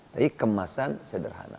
jadi kemasan sederhana